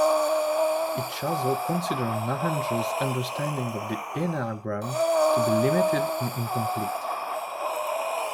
Ichazo considers Naranjo's understanding of the Enneagram to be limited and incomplete.